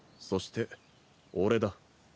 そして俺だ。